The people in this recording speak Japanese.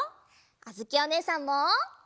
あづきおねえさんも！